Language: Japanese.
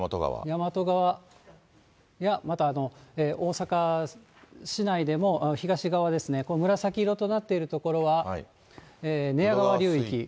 大和川や、また、大阪市内でも、東側ですね、紫色となっている所は、寝屋川流域。